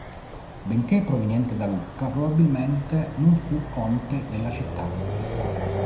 Benché proveniente da Lucca, probabilmente non fu conte della città.